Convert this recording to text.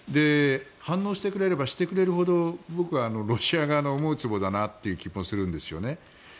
反応してくれればしてくれるほど僕はロシア側の思うつぼだなという気がするんですよね。